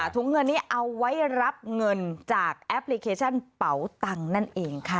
ถุงเงินนี้เอาไว้รับเงินจากแอปพลิเคชันเป๋าตังค์นั่นเองค่ะ